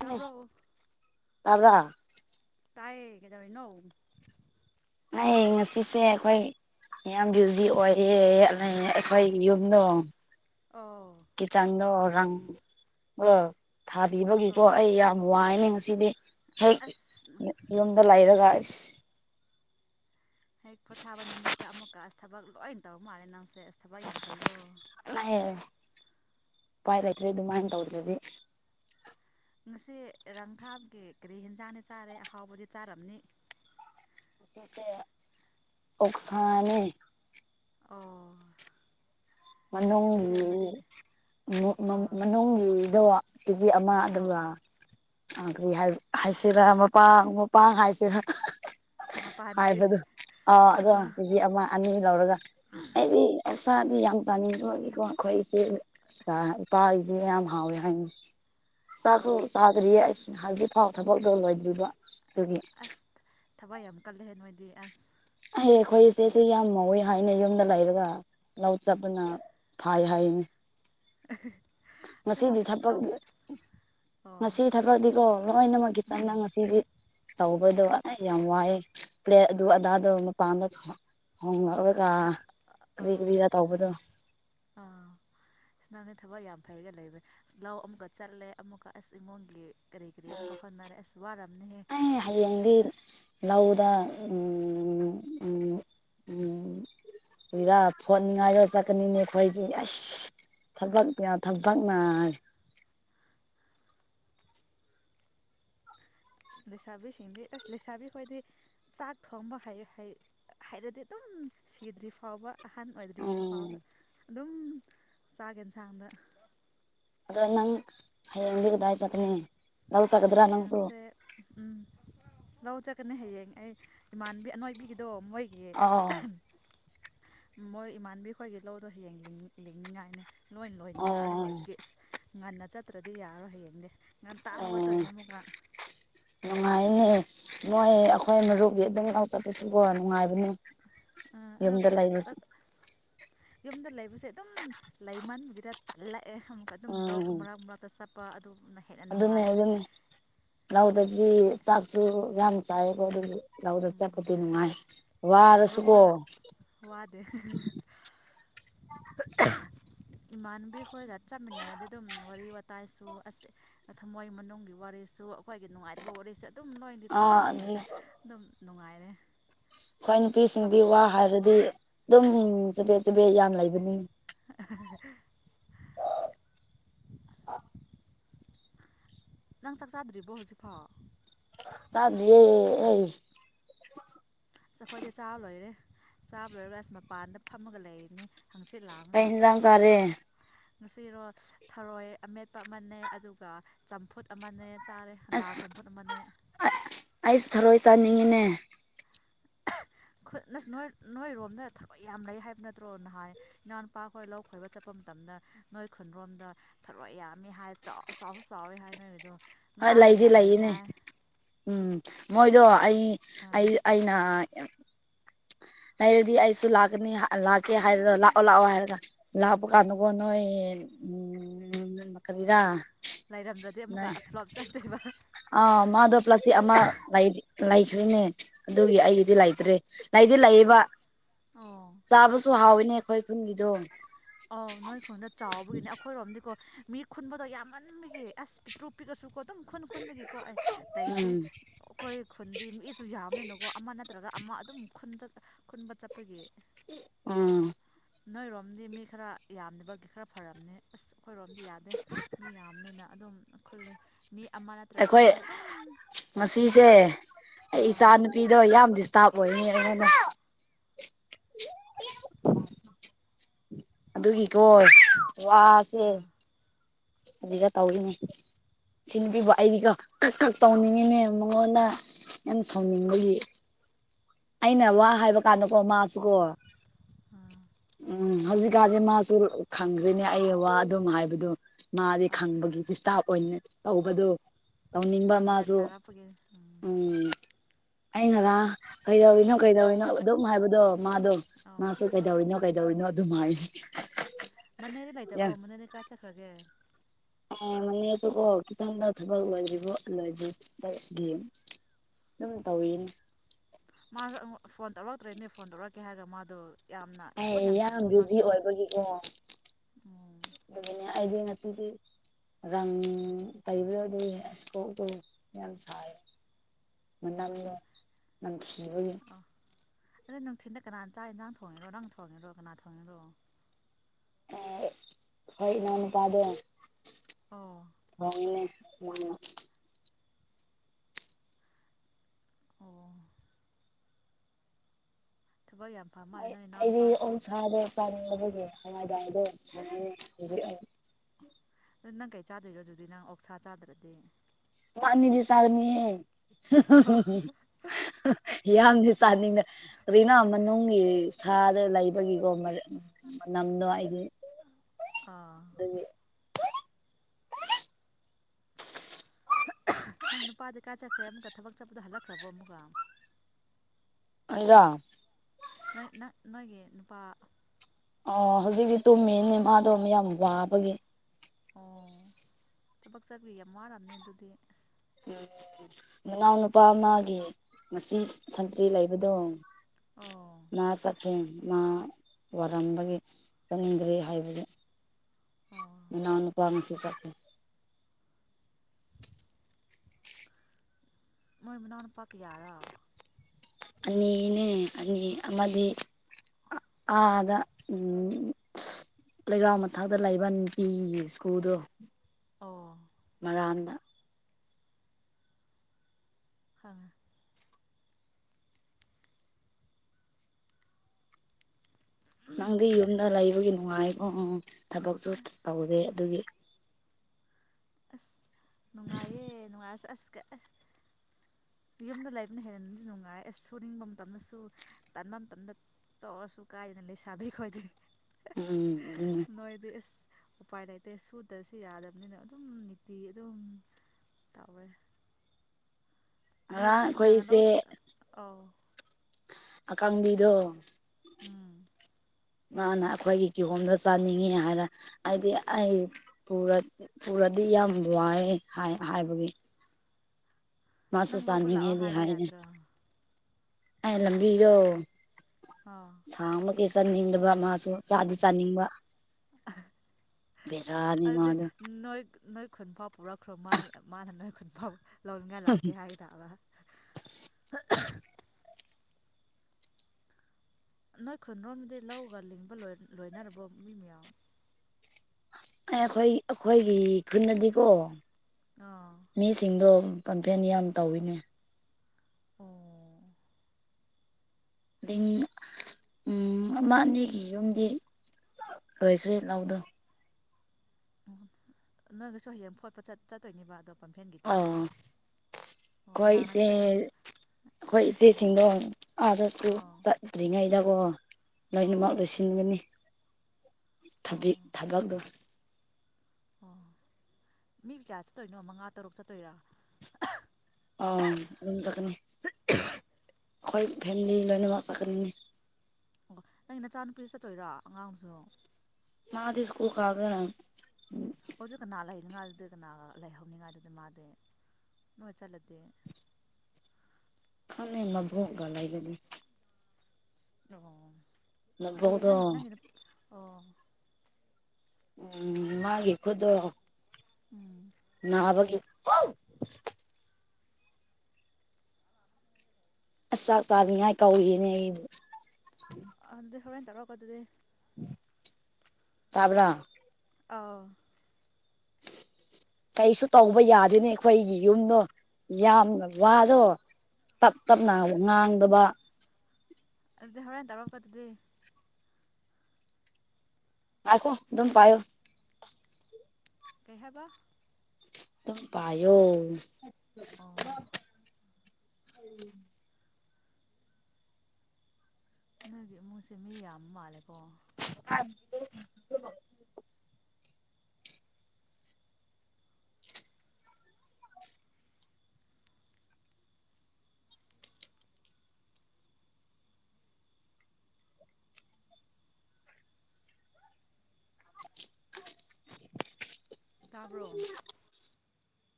ꯇꯕꯣ ꯇꯕ ꯇꯥꯏ ꯀꯩꯗꯕꯦ ꯅꯧ ꯑꯩ ꯉꯁꯤꯁꯦ ꯑꯩꯈꯣꯏ ꯌꯥꯝ ꯕꯤꯌꯨꯖꯤ ꯑꯣꯏꯌꯦꯦ ꯑꯩꯈꯣꯏ ꯌꯨꯝꯗꯣ ꯑꯣ ꯀ ꯆꯥꯟꯗ ꯑꯣꯔꯥꯡ ꯊꯥꯕꯤꯕꯒꯤꯀꯣ ꯑꯣ ꯑꯩ ꯌꯥꯝ ꯋꯥꯏꯅꯦ ꯉꯁꯤꯗꯤ ꯍꯦꯛ ꯑꯁ ꯌꯨꯝꯗ ꯂꯥꯏꯔꯒꯥꯁ ꯍꯦꯛ ꯄꯣꯊꯥꯕ ꯅꯨꯃꯤꯠꯇ ꯑꯃꯨꯛꯀ ꯊꯕꯛ ꯂꯣꯏꯅ ꯇꯧ ꯃꯥꯜꯂꯦ ꯅꯪꯁ ꯁꯦꯁ ꯊꯕ ꯌꯥꯝ ꯐꯩꯀꯣ ꯎꯄꯥꯏ ꯂꯥꯏꯇꯔꯤ ꯑꯗꯨꯃꯥꯏꯅ ꯇꯧꯗ꯭ꯔꯗꯤ ꯉꯁꯤ ꯔꯪꯈꯥꯞꯒꯤ ꯀꯔꯤ ꯍꯦꯟꯖꯥꯡꯅꯤ ꯆꯥꯔꯦ ꯑꯍꯥꯎꯕꯗꯤ ꯆꯥꯔꯝꯅꯤ ꯃꯁꯤꯖꯤꯁꯦ ꯑꯣꯞꯁꯅꯤ ꯑꯣ ꯁꯤ ꯌꯨꯝ ꯃꯅꯨꯡꯒꯤ ꯁꯦꯝꯃꯗꯤ ꯑꯥ ꯃꯅꯨꯡꯒꯤꯗ ꯀꯦꯖꯤ ꯑꯃ ꯑꯥ ꯑꯗꯨꯒ ꯔꯤ ꯍꯥꯏꯁꯤꯔꯥ ꯃꯄꯥꯡ ꯃꯄꯥꯡ ꯍꯥꯏꯁꯤꯔꯥ ꯃꯄꯥꯟꯒꯤ ꯍꯥꯏꯕꯗꯨ ꯑꯥ ꯑꯗꯣ ꯀꯦꯖꯤ ꯑꯃ ꯑꯅꯤ ꯂꯧꯔꯒ ꯑꯩꯗꯤ ꯄꯩꯁꯥꯗꯤ ꯌꯥꯝ ꯆꯥꯅꯤꯡꯀꯣ ꯑꯩꯈꯣꯏꯁꯦ ꯏꯄꯥ ꯑꯩꯁꯦ ꯌꯥꯝ ꯍꯥꯎꯋꯦ ꯍꯥꯏꯅꯤ ꯆꯥꯛꯁꯨ ꯑꯣ ꯆꯥꯗ꯭ꯔꯤꯌꯦ ꯑꯁ ꯍꯧꯖꯤꯛ ꯐꯥꯎ ꯊꯕꯛ ꯂꯧ ꯂꯣꯏꯗ꯭ꯔꯤꯕ ꯑꯗꯨꯒꯤ ꯊꯋꯥꯏ ꯌꯥꯝ ꯀꯜꯂꯦꯍꯦ ꯅꯣꯏꯗꯤ ꯑꯁ ꯍꯌꯦ ꯀꯔꯤ ꯀꯔꯤ ꯑꯩꯈꯣꯏꯁꯦꯁꯨ ꯌꯥꯝ ꯉꯧꯋꯦ ꯍꯥꯏꯅ ꯌꯨꯝꯗ ꯂꯩꯔꯒ ꯂꯧ ꯆꯠꯄꯅ ꯐꯥꯏ ꯍꯥꯏꯅꯤ ꯑꯁꯤꯃ ꯉꯁꯤꯗꯤ ꯊꯕꯛ ꯂꯧ ꯑꯣ ꯉꯁꯤ ꯊꯕꯛꯗꯤꯀꯣ ꯂꯣꯏꯅꯃꯛꯒꯤ ꯆꯪꯗ ꯎꯝ ꯉꯁꯤꯗꯤ ꯇꯧꯕꯗꯣ ꯑꯩ ꯌꯥꯝ ꯋꯥꯏ ꯄꯦ ꯑꯗꯨ ꯑꯗꯥꯗ ꯃꯄꯥꯟꯗ ꯍꯣꯡꯉꯔꯣꯏ ꯀ ꯊꯥ ꯀꯔꯤ ꯑꯥ ꯀꯔꯤꯗ ꯇꯧꯕꯗꯣ ꯑꯥ ꯑꯁ ꯅꯪꯅ ꯊꯕꯛ ꯌꯥꯝ ꯐꯩꯔ ꯂꯩꯕ ꯂꯧ ꯑꯃꯨꯛꯀ ꯆꯠꯂꯦ ꯑꯃꯨꯛꯀ ꯑꯁ ꯏꯉꯨꯡꯒꯤ ꯀꯔꯤ ꯀꯔꯤ ꯑꯃ ꯀꯥꯎ ꯍꯣꯠꯅꯔꯦ ꯑꯁ ꯋꯥꯔꯝꯅꯍꯦ ꯑꯩ ꯎ ꯎ ꯎ ꯏꯔꯥ ꯐꯣꯠꯅꯤꯡꯉꯥꯏꯗ ꯆꯠꯀꯅꯤꯅꯦ ꯈꯣꯏꯁꯤꯅꯦ ꯑꯁ ꯊꯕꯛꯌꯥ ꯊꯕꯛꯅ ꯂꯩꯁꯥꯕꯤꯁꯤꯡꯗꯤ ꯇꯁ ꯂꯩꯁꯥꯕꯤꯈꯣꯏꯗꯤ ꯆꯥꯛ ꯊꯣꯡꯕ ꯍꯩ ꯍꯩ ꯍꯥꯏꯔꯗꯤ ꯑꯗꯨꯝ ꯁꯤꯗ꯭ꯔꯤ ꯐꯥꯎꯕ ꯑꯍꯟ ꯑꯣꯏꯗ꯭ꯔꯤꯉꯩ ꯎꯝ ꯐꯥꯎꯕ ꯑꯗꯨꯝ ꯆꯥꯒ ꯏꯟꯁꯥꯡꯗ ꯑꯗꯣ ꯅꯪ ꯍꯌꯦꯡ ꯏꯗꯤꯒꯗꯥꯏ ꯆꯠꯀꯅꯤ ꯂꯥꯛ ꯆꯠꯀꯗ꯭ꯔꯥ ꯅꯪꯁꯨ ꯍꯌꯦꯡꯁꯦ ꯂꯧ ꯆꯠꯀꯅꯤ ꯍꯌꯦꯡ ꯑꯩ ꯏꯃꯥꯟꯕꯤ ꯑꯅꯣꯏꯕꯤꯒꯤꯗꯣ ꯃꯣꯏꯒꯤ ꯑꯧ ꯃꯣꯏ ꯏꯃꯥꯟꯕꯤ ꯈꯣꯏꯒꯤ ꯂꯧꯗꯣ ꯍꯌꯦꯡ ꯂꯤꯡꯅꯤꯡꯉꯥꯏꯅꯦ ꯂꯣꯏꯅ ꯑꯣ ꯂꯣꯏꯅꯤꯡꯉ ꯑꯗꯨ ꯑꯣꯏꯕꯒꯤ ꯑꯁ ꯉꯟꯅ ꯆꯠꯇ꯭ꯔꯗꯤ ꯌꯥꯔꯣꯏ ꯍꯌꯦꯡꯗꯤ ꯉꯟꯅ ꯇꯥꯛꯍꯒ ꯎ ꯉꯥꯏ ꯑꯅꯦ ꯅꯣꯏ ꯑꯩꯈꯣꯏ ꯃꯔꯨꯞꯒꯤ ꯑꯗꯨꯝ ꯂꯥꯎ ꯆꯠꯄꯁꯤꯕꯣ ꯅꯨꯡꯉꯥꯏꯕꯅꯦ ꯑꯥ ꯑꯗꯣ ꯌꯨꯝꯗ ꯂꯩꯥꯏ ꯌꯨꯝꯗ ꯂꯩꯕꯁꯦ ꯑꯗꯨꯝ ꯂꯩꯃꯟꯕꯒꯤꯔ ꯇꯜꯂꯛꯑꯦ ꯑꯃꯨꯛꯀ ꯑꯗꯨꯝ ꯂꯧꯣꯛ ꯎꯝ ꯃꯔꯥꯛ ꯃꯔꯥꯛꯛꯇ ꯆꯞ ꯑꯗꯨꯅꯦ ꯑꯗꯨꯅꯦ ꯂꯧꯧꯗꯗꯤ ꯆꯥꯛꯁꯨ ꯌꯥꯝ ꯆꯥꯏꯀꯣ ꯑꯗꯨꯕꯨ ꯂꯗ ꯎꯝ ꯆꯠꯄꯗꯤ ꯅꯨꯡꯉꯥꯏ ꯃꯔꯨꯞ ꯋꯥꯔꯁꯨꯀꯣ ꯈꯣꯏꯒ ꯋꯥꯗꯦ [unintelligible] ꯏꯃꯥꯟꯅꯕꯤ ꯑꯩꯈꯣꯏꯒ ꯆꯠꯃꯤꯟꯅꯔꯗꯤ ꯑꯗꯨꯝ ꯋꯥꯔꯤ ꯋꯥꯇꯥꯏꯁꯨ ꯑꯁ ꯊꯝꯃꯣꯏ ꯃꯅꯨꯡꯒꯤ ꯋꯥꯔꯤ ꯁꯨ ꯑꯩꯈꯣꯏꯒꯤ ꯅꯨꯡꯉꯥꯏꯇꯕ ꯋꯥꯔꯤꯁꯦ ꯑꯗꯨꯝ ꯂꯣꯏꯅꯗꯤ ꯊꯣꯛꯄꯤ ꯑꯥ ꯀꯦ ꯍꯥꯏꯁꯨ ꯑꯗꯨꯅꯦ ꯑꯗꯨꯝ ꯅꯨꯡꯉꯥꯏꯔꯦ ꯍꯣꯏ ꯆꯠ ꯅꯨꯄꯤꯁꯤꯡꯗꯤ ꯋꯥ ꯍꯥꯏꯔꯗꯤ ꯑꯗꯨꯝ ꯆꯄꯦꯠ ꯆꯄꯦꯠ ꯌꯥꯝ ꯂꯩꯕꯅꯤ ꯅꯪ ꯆꯥꯛ ꯆꯥꯗ꯭ꯔꯤꯕꯣ ꯍꯧꯖꯤꯛꯐꯥꯎ ꯇꯗꯤ ꯑꯩ ꯑꯁ ꯑꯩꯈꯣꯏꯗꯤ ꯆꯥꯕ ꯂꯣꯏꯔꯦ ꯆꯥꯕ ꯂꯣꯏꯔꯒ ꯑꯁ ꯃꯄꯥꯟꯗ ꯐꯝꯃꯒ ꯂꯩꯔꯤꯅꯤ ꯄ ꯍꯖꯥꯡ ꯇꯔꯦ ꯉꯁꯤꯔꯣꯜ ꯊꯔꯣꯏ ꯑꯃꯦꯠꯄ ꯑꯃꯅꯦ ꯑꯗꯨꯒ ꯆꯝꯐꯨꯠ ꯑꯃꯅꯦ ꯆꯥꯔꯦ ꯗꯥꯜ ꯑꯁ ꯆꯝꯐꯨꯠ ꯑꯃꯅꯦ ꯑꯩꯁꯨ ꯊꯔꯣꯏ ꯆꯥꯅꯤꯡꯉꯤꯅꯦ ꯈꯨꯠꯅ ꯅꯣꯏ ꯅꯣꯏꯔꯣꯝꯗ ꯊꯕꯛ ꯌꯥꯝ ꯂꯩ ꯍꯥꯏꯕ ꯅꯠꯇ꯭ꯔꯣ ꯅꯍꯥꯟ ꯏꯟꯎ ꯅꯨꯄꯥ ꯈꯣꯏ ꯂꯧ ꯈꯣꯏꯕ ꯆꯠꯄ ꯃꯇꯝꯗ ꯅꯣꯏ ꯈꯨꯟꯔꯣꯝꯗ ꯊꯔꯣꯏ ꯌꯥꯝꯃꯤ ꯍꯥꯏ ꯆꯥꯎꯁꯨ ꯆꯥꯎꯋꯤ ꯍꯥꯏ ꯅꯣꯏ ꯑꯗꯣ ꯑ ꯂꯩꯗꯤ ꯂꯩꯏꯅꯦ ꯎꯝ ꯃꯣꯏꯗꯣ ꯑꯩ ꯑꯥ ꯑꯩ ꯑꯩꯅ ꯂꯩꯔꯗꯤ ꯑꯩꯁꯨ ꯂꯥꯛꯀꯅꯤ ꯍꯛ-ꯂꯥꯛꯀꯦ ꯍꯥꯏꯔ ꯂꯥꯛꯑꯣ ꯂꯥꯛꯑꯣ ꯍꯥꯏꯔꯒ ꯂꯥꯛꯄ ꯀꯥꯟꯗꯀꯣ ꯅꯣꯏ ꯎꯝ ꯃ ꯀꯔꯤꯔꯥ ꯂꯩꯔꯝꯗ꯭ꯔꯗꯤ ꯑꯃꯨꯛꯀ ꯅꯩ ꯐ꯭ꯂꯣꯞ ꯆꯠꯇꯣꯏꯕ ꯑ ꯃꯥꯗꯣ ꯄꯂ꯭ꯥꯁꯇꯤꯛ ꯑꯃꯥ ꯂꯩꯗꯤ ꯂꯩꯈ꯭ꯔꯦꯅꯦ ꯑꯗꯨꯒꯤ ꯑꯩꯒꯤꯗꯤ ꯂꯩꯇ꯭ꯔꯦ ꯂꯩꯗꯤ ꯂꯩꯌꯦꯕ ꯑꯣ ꯆꯥꯕꯁꯨ ꯍꯥꯎꯋꯦꯅꯦ ꯑꯩꯈꯣꯏ ꯈꯨꯟꯒꯤꯗꯣ ꯑꯧ ꯅꯣꯏ ꯈꯣꯡꯗ ꯆꯥꯎꯕꯒꯤꯅꯦ ꯑꯩꯈꯣꯏꯔꯣꯝꯗꯤꯀꯣ ꯃꯤ ꯈꯨꯟꯕꯗꯣ ꯌꯥꯝꯃꯟꯕꯒꯤ ꯑꯁ ꯄꯤꯛꯇ꯭ꯔꯨꯛ ꯄꯤꯛꯑꯁꯨ ꯈꯣꯠ ꯗꯨꯝ ꯈꯨꯟ ꯈꯨꯟꯗꯨꯒꯤꯀꯣ ꯑꯦ ꯂꯩꯇꯦ ꯎꯝ ꯑꯩꯈꯣꯏ ꯈꯨꯟꯗꯤ ꯃꯤꯁꯨ ꯌꯥꯝꯃꯦꯅꯀꯣ ꯑꯃ ꯅꯠꯇ꯭ꯔꯒ ꯑꯃ ꯑꯗꯨꯝ ꯈꯨꯟꯗ ꯈꯨꯟꯕ ꯆꯠꯄꯒꯤ ꯑꯝ ꯅꯣꯏꯔꯣꯝꯗꯤ ꯃꯤ ꯈꯔ ꯌꯥꯝꯕꯒꯤ ꯈꯔ ꯐꯔꯔꯕꯅꯤ ꯑꯁ ꯑꯩꯈꯣꯏꯔꯣꯝꯗꯤ ꯌꯥꯗꯦ ꯃꯤ ꯌꯥꯝꯅꯤꯅ ꯑꯗꯨꯝ ꯈꯨꯜꯂꯦ ꯃꯤ ꯑꯃ ꯅꯠꯇ꯭ꯔꯒ ꯑꯩꯈꯣꯏ ꯑꯃ ꯑꯗꯨꯝ ꯆꯠꯄꯅꯦ ꯉꯁꯤꯁꯦ ꯑꯩ ꯑꯥ ꯏꯆꯥ ꯅꯨꯨꯄꯤꯗꯣ ꯌꯥꯝ ꯗꯤꯁꯇꯥꯔꯕ ꯑꯣꯏꯣꯏꯅꯤ ꯌꯥꯔꯒꯅ [inaudible] ꯑꯗꯨꯒꯤꯀꯣ ꯋꯥꯁꯦ ꯑꯥ ꯑꯗꯨꯒ ꯇꯧꯔꯤꯅꯦ ꯆꯤꯡꯕꯤꯕ ꯑꯩꯒ ꯀꯛ ꯀꯛ ꯇꯥꯎꯅꯤꯡꯉꯦꯅꯦ ꯃꯉꯣꯟꯗ ꯌꯥꯝ ꯁꯥꯎꯅꯤꯡꯕꯒꯤ ꯑꯩꯅ ꯋꯥ ꯍꯥꯏꯕ ꯀꯥꯟꯗꯀꯣ ꯃꯥꯁꯨꯀꯣ ꯑꯥ ꯎꯝ ꯍꯧꯖꯤꯛꯀꯥꯟꯗꯤ ꯃꯥꯁꯨ ꯈꯪꯒ꯭ꯔꯦꯅꯦ ꯑꯩ ꯋꯥ ꯑꯗꯨꯝ ꯍꯥꯏꯕꯗꯨ ꯃꯥꯗꯤ ꯑꯧ ꯈꯪꯕꯒꯤ ꯗꯤꯁꯇꯥꯔꯕ ꯑꯣꯏꯅ ꯇꯧꯕꯗꯣ ꯇꯧꯅꯤꯡꯕ ꯒ꯭ꯌꯥꯟ ꯃꯥꯖꯤ ꯇꯥꯔꯛꯄꯒꯤ ꯎꯝ ꯑꯩꯅꯔꯥ ꯀꯩꯗꯧꯔꯤꯅꯣ ꯀꯩꯗꯧꯔꯤꯅꯣ ꯑꯗꯨꯝ ꯍꯥꯏꯕꯗꯣ ꯃꯥꯗꯣ ꯑꯧ ꯃꯥꯁꯨ ꯀꯩꯗꯧꯔꯤꯅꯣ ꯀꯩꯗꯧꯅꯣ ꯑꯗꯨꯝ ꯍꯥꯏ [unintelligible] ꯃꯅꯦ ꯂꯩꯇꯕ꯭ꯔꯣ ꯃꯅꯦꯗꯤ ꯀꯥꯏ ꯆꯠꯈ꯭ꯔꯒꯦ ꯑ ꯃꯅꯦꯁꯨꯀꯣ ꯀꯤꯆꯟꯗ ꯊꯕꯛ ꯂꯣꯏꯗ꯭ꯔꯤꯕ ꯂꯣꯏꯗ꯭ꯔꯤ ꯕꯒꯤ ꯗꯨꯝ ꯇꯧꯋꯦꯅꯦ ꯃꯥꯁꯨ ꯑꯃꯨꯛ ꯐꯣꯟ ꯇꯧꯔꯛꯇ꯭ꯔꯦꯅꯦ ꯐꯣꯟ ꯇꯧꯔꯛꯀꯦ ꯍꯥꯏꯔꯒ ꯃꯥꯗꯣ ꯌꯥꯝꯅ ꯊꯕꯛ ꯑꯩ ꯌꯥꯝ ꯆꯤꯜꯂꯨꯕ ꯕꯤꯖꯤ ꯃꯥꯁꯨ ꯑꯣꯏꯕꯒꯤꯀꯣ ꯎꯝ ꯑꯣꯏꯕꯅꯦ ꯑꯩꯗꯤ ꯉꯥ ꯆꯤꯗꯤ ꯔꯪ ꯇꯩꯕꯗꯣ ꯗꯨꯒꯤ ꯑꯁ ꯀꯣꯛ ꯇꯣ ꯌꯥꯝ ꯁꯥꯏꯌꯦ ꯃꯅꯝꯗꯣ ꯅꯝꯊꯤꯕꯒꯤ ꯑꯗ ꯅꯨꯡꯊꯤꯟꯗ ꯀꯅꯥ ꯆꯥꯛ ꯏꯟꯖꯥꯡ ꯊꯣꯡꯉꯤꯔꯣ ꯅꯪ ꯊꯣꯡꯉꯤꯔꯣ ꯀꯅꯥ ꯊꯣꯡꯉꯤꯔꯣ ꯑꯦ ꯑꯩ ꯏꯅꯥꯎ ꯅꯨꯄꯥꯗꯨ ꯑꯣ ꯂꯨꯍꯣꯡꯂꯦ ꯃꯣꯏꯅ ꯑꯣ ꯊꯕꯛ ꯌꯥꯝ ꯐ ꯃꯥꯜꯂꯦ ꯑꯩ ꯅꯪ ꯏꯅꯥꯎ ꯑꯩꯗꯤ ꯅꯨꯄꯥꯁꯨ ꯑꯣꯛꯁꯥꯗꯣ ꯆꯥꯅꯤꯡꯗꯕꯒꯤ ꯍꯋꯥꯏꯖꯥꯔꯗꯣ [inaudible] [unintelligible] ꯑꯗꯨ ꯅꯪ ꯀꯩ ꯆꯥꯗꯣꯏꯔꯣ ꯑꯗꯨꯗꯤ ꯅꯪ ꯑꯣꯛꯁꯥ ꯆꯥꯗ꯭ꯔꯗꯤ ꯑꯃꯥ ꯑꯅꯤꯗꯤ ꯆꯥꯒꯅꯤꯌꯦ [unintelligible] ꯌꯥꯝꯗꯤ ꯆꯥꯅꯤꯡꯅ ꯀꯔꯤꯅꯣ ꯃꯅꯨꯡꯒꯤ ꯊꯥꯗ ꯂꯩꯕꯒꯤꯀꯣ ꯃꯔꯤ-ꯃꯅꯝꯗꯣ ꯑꯩꯗꯤ ꯑꯥ ꯑꯗꯨꯒꯤ [unintelligible] ꯅꯪ ꯅꯨꯄꯥꯗꯤ ꯀꯥꯏ ꯆꯠꯈ꯭ꯔꯦ ꯑꯃꯨꯛꯀ ꯊꯕꯛ ꯆꯠꯄꯗꯣ ꯍꯜꯂꯛꯈ꯭ꯔꯕꯣ ꯑꯃꯨꯛꯀ ꯑꯩ ꯔꯥ ꯅꯣꯏ -ꯅꯪ -ꯅꯣꯏꯒꯤ ꯅꯨꯄꯥ ꯑꯣ ꯍꯧꯖꯤꯛꯇꯤ ꯇꯨꯝꯃꯦꯅꯦ ꯃꯥꯗꯣ ꯃꯌꯥꯝ ꯋꯥꯕꯒꯤ ꯑꯣ ꯊꯕꯛ ꯆꯠꯄꯒꯤ ꯌꯥꯝ ꯋꯥꯔꯝꯅꯤ ꯑꯗꯨꯗꯤ ꯑꯁ ꯎꯝ ꯃꯅꯥꯎꯅꯨꯄꯥ ꯑꯃꯒꯤ ꯉꯁꯤ ꯁꯟꯇ꯭ꯔꯤ ꯂꯩꯕꯗꯣ ꯑꯣ ꯃꯥ ꯆꯠꯈ꯭ꯔꯦ ꯃꯥ ꯋꯥꯔꯝꯕꯒꯤ ꯆꯪꯅꯤꯡꯗ꯭ꯔꯔꯤ ꯍꯥꯏꯕꯗꯨ ꯑꯣ ꯏꯟꯅꯟꯅ ꯀꯥꯃꯤꯁꯤ ꯆꯄꯦ ꯃꯣꯏ ꯃꯅꯥꯎꯅ ꯄꯥꯛ ꯌꯥꯔ ꯑꯅꯦ ꯑ ꯑꯗꯤ ꯑ ꯑꯗ ꯎꯝ ꯂꯩꯔꯥꯎ ꯃꯊꯛꯇ ꯂꯩꯕ ꯅꯨꯄꯤꯒꯤ ꯁ꯭ꯀꯨꯜꯗꯣ ꯑꯣ ꯃꯔꯥꯟꯗ ꯍꯥ ꯅꯪꯗꯤ ꯌꯨꯝꯗ ꯂꯩꯕꯒꯤ ꯅꯨꯡꯉꯥꯏꯀꯣ ꯊꯕꯛꯁꯨ ꯑꯁ ꯇꯧꯗꯦ ꯑꯗꯨꯒꯤ ꯑꯁ ꯅꯨꯡꯉꯥꯏꯌꯦ ꯅꯨꯡꯉꯥꯏꯔꯁꯨ ꯑꯁ ꯌꯨꯝꯗ ꯂꯩꯕꯅ ꯍꯦꯟꯅꯗꯤ ꯅꯨꯡꯉꯥꯏ ꯑ ꯁꯨꯅꯤꯡꯕ ꯃꯇꯝꯗꯁꯨ ꯇꯟꯕ ꯃꯇꯝꯗ ꯇꯧꯔꯁꯨꯨ ꯀꯥꯏꯗꯦ ꯂꯩꯁꯥꯕꯤ ꯈꯣꯏꯗꯤ ꯎꯝ ꯎꯝ ꯎꯄꯥꯏ ꯂꯩꯇꯦ ꯁꯨꯗ꯭ꯔꯁꯨ ꯌꯥꯗꯕꯅꯤꯅ ꯑꯗꯨꯝ ꯅꯤꯇꯤꯒꯤ ꯑꯗꯨꯝ ꯇꯧꯋꯦ ꯉꯔꯥꯡ ꯍꯌꯦꯡꯗꯤ ꯑꯩꯈꯣꯏ ꯀꯅꯥꯒ ꯂꯧ ꯆ-ꯑꯧ ꯑꯀꯡꯕꯤꯗꯣ ꯎꯝ ꯃꯥꯅ ꯑꯩꯈꯣꯏꯒꯤ ꯀꯤꯍꯣꯝꯗ ꯆꯥꯅꯤꯡꯉꯦ ꯍꯥꯏꯔ ꯑꯩꯗꯤ ꯑꯩ ꯄꯨꯔꯛ-ꯄꯨꯔ ꯄꯗꯤ ꯌꯥꯝ ꯋꯥꯏꯌꯦ ꯍꯥꯏ - ꯍꯥꯏꯕꯒꯤ ꯃꯥ ꯁ ꯅꯪ ꯁ ꯂꯧꯕ ꯂꯥꯛꯑꯣ ꯍꯥꯏꯕ ꯍꯥꯏ ꯌꯥꯗ꯭ꯔꯣ ꯑꯦ ꯂꯕꯤ ꯌ ꯑꯣ ꯁꯥ ꯑꯃ ꯀꯩ ꯆꯥꯅꯤꯡꯗꯕ ꯃꯥꯁꯨ ꯆꯥꯗꯤ ꯆꯥꯅꯤꯡꯕ ꯕꯔꯥꯅꯤ ꯃꯥ ꯑꯗꯨꯗꯤ ꯑꯗꯨ ꯅꯣꯏ ꯅꯣꯏ ꯈꯨꯟꯐꯥꯎ ꯄꯨꯔꯛꯈ꯭ꯔꯣ ꯃꯥꯅ ꯃꯥꯅ ꯅꯣꯏ ꯈꯨꯟꯐꯥꯎ ꯂꯣꯅꯤꯡꯒ ꯂꯒ ꯍꯥꯏꯒꯗ ꯋꯥ ꯅꯣꯏ ꯈꯨꯟꯔꯣꯝꯗꯤ ꯂꯧꯒ ꯂꯤꯡꯕ ꯂꯣꯏꯅꯔꯕꯣ ꯃꯤ ꯃꯌꯥꯝ ꯑꯦ ꯑꯩꯈꯣꯏ ꯑꯩꯈꯣꯏꯒꯤ ꯈꯨꯜꯗꯗꯤꯀꯣ ꯑꯥ ꯃꯤꯁꯤꯡꯗꯣ ꯀꯝꯄꯦꯟ ꯌꯥꯝ ꯇꯧꯋꯤꯅꯦ ꯑꯣ ꯑ ꯎ ꯑꯃ ꯑꯅꯤꯒꯤ ꯌꯨꯝꯗꯤ ꯂꯣꯢꯈ꯭ꯔꯥ ꯂꯧꯗꯣ ꯎ ꯅꯣꯏꯒꯁꯨ ꯍꯌꯦꯡ ꯐꯣꯠꯄ ꯆꯠꯇꯣꯏꯅꯦꯕ ꯑꯗꯣ ꯄꯥꯝꯐꯦꯟꯒꯤꯗꯣ ꯑꯩꯈꯣꯏꯁꯦ ꯑꯩꯈꯣꯏ ꯑꯣ ꯏꯆꯦꯁꯤꯡꯗꯣ ꯑꯥꯗꯁꯨ ꯑꯣ ꯆꯠꯇ꯭ꯔꯤꯉꯩꯗꯀꯣ ꯑꯣ ꯂꯣꯏꯅꯃꯛ ꯂꯣꯏꯁꯤꯟꯒꯅꯤ ꯑꯣ ꯊꯕꯛꯇꯗꯣ ꯑꯣ ꯃꯤ ꯀ ꯀꯌꯥ ꯆꯠꯇꯣꯏꯅꯣ ꯃꯉꯥ ꯇꯔꯨꯛ ꯆꯠꯇꯣꯏꯔꯥ ꯑ ꯑꯗꯨꯝ ꯆꯠꯒꯅꯤ ꯑꯩꯈꯣꯏ ꯐꯦꯃꯤꯂꯤ ꯂꯣꯏꯅ ꯆꯠꯀꯗꯕꯅꯦ ꯑꯣ ꯅꯪ ꯅꯆꯥꯅꯨꯄꯤꯁꯨ ꯆꯠꯇꯣꯏꯔꯣ ꯑꯉꯥꯡꯁꯨ ꯃꯥꯗꯤ ꯏ꯭ꯁꯀꯨꯜ ꯀꯒꯅ ꯑꯗꯨ ꯀꯅꯥ ꯂꯩꯅꯤꯡꯉꯥꯏꯗꯨꯗꯤ ꯀꯅꯥ ꯂꯩꯍꯧꯅꯤꯉꯥꯏꯗꯨꯗꯤ ꯃꯥꯗꯤ ꯃꯥ ꯆꯂꯗ ꯈꯅ ꯂꯚꯨꯡꯀ ꯂꯩꯒꯅꯤ ꯑꯣ ꯃꯕꯣꯛꯗꯣ ꯍꯌꯦꯡ ꯅꯪꯗ ꯑꯣ ꯎꯝ ꯃꯥꯒꯤ ꯈꯨꯠꯇꯣ ꯎꯝ ꯅꯥꯕꯒꯤ ꯋꯧ ꯑꯗꯃꯤ ꯀꯧꯅꯦ ꯑꯗ ꯍꯣꯔꯦꯟ ꯇꯔꯣ ꯀ ꯑꯗꯨꯗꯤ ꯇꯥꯕ꯭ꯔ ꯑꯥꯎ ꯀꯩꯁꯨ ꯇꯧꯕ ꯌꯥꯗꯦꯅꯤ ꯑꯩꯈꯣꯏꯒꯤ ꯌꯨꯝꯗꯣ ꯌꯥꯝꯅ ꯋꯥꯗꯣ ꯇꯞ ꯇꯞ ꯉꯥꯡꯗꯕ ꯑꯗꯨꯗꯤ ꯍꯣꯔꯦꯟ ꯇꯧꯔꯛꯄ ꯑꯗꯨꯗꯤ ꯂꯀꯣ ꯑꯗꯨꯝ ꯄꯥꯏꯣ ꯥꯏꯍꯕ ꯇꯝ ꯄꯥꯏꯣ ꯑꯣ ꯅꯒꯤ ꯃꯨꯁꯦ ꯃꯤ ꯌꯥꯝ ꯃꯥ ꯂꯩꯦꯀꯣ [unintelligible] [unintelligible] ꯇꯥꯕ꯭ꯔꯣ